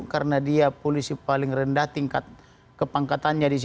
karena dia polisi paling rendah tingkat kepangkatannya di sini